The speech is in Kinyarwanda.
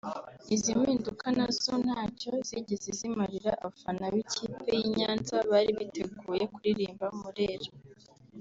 Izi mpinduka nazo ntacyo zigeze zimarira abafana b’ikipe y’i Nyanza bari biteguye kuririmba Murera